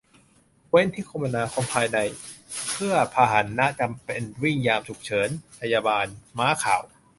เว้นที่คมนาคมภายใน เพื่อพาหนะจำเป็นวิ่งยามฉุกเฉิน พยาบาล ม้าข่าว